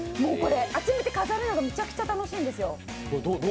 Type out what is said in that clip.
集めて飾るのがむちゃくちゃ楽しいんですよ。